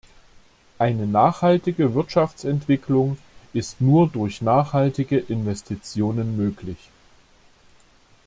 Eine nachhaltige Wirtschaftsentwicklung ist nur durch nachhaltige Investitionen möglich.